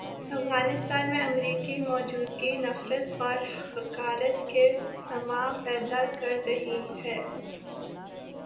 افغانستان میں امریکی موجودگی نفرت اور حقارت کا سامان پیدا کر رہی ہے۔